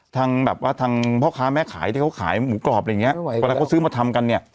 ทางแบบว่าทางพ่อค้าแม่ขายที่เขาขายหมูกรอบอะไรอย่างเงี้ยเวลาเขาซื้อมาทำกันเนี่ย